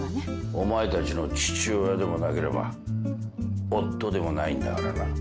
お前たちの父親でもなければ夫でもないんだからな。